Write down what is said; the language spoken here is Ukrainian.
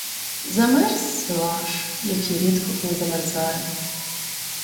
Замерз Сиваш, який рідко коли замерзає.